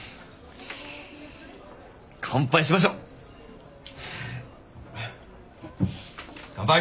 乾杯しましょ！乾杯！